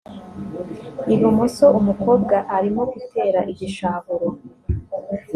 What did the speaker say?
Ibumoso umukobwa arimo gutera igishahuro